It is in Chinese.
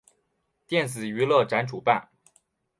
电子娱乐展主办。